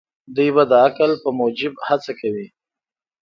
دوی به د عقل په موجب هڅه کوي.